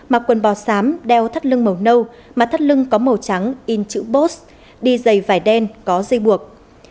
mặc quần bò xám đeo thắt lưng màu nâu mặt thắt lưng có màu trắng in chữ bos đi dày vải đen có dây buộc